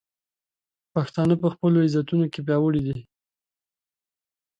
پښتانه په خپلو عزتونو کې پیاوړي دي.